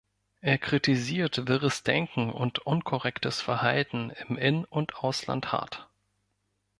Er kritisiert wirres Denken und unkorrektes Verhalten im In- und Ausland hart.